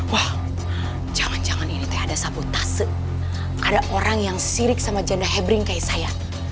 wah jangan jangan ini teh ada sabotase ada orang yang sirik sama janda hebring kayak saya